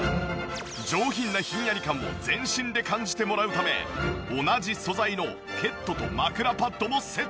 上品なヒンヤリ感を全身で感じてもらうため同じ素材のケットと枕パッドもセット。